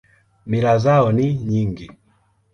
Mila zao ni nyingi.